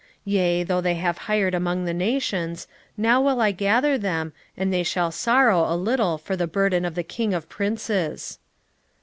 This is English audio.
8:10 Yea, though they have hired among the nations, now will I gather them, and they shall sorrow a little for the burden of the king of princes.